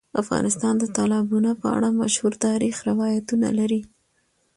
افغانستان د تالابونه په اړه مشهور تاریخی روایتونه لري.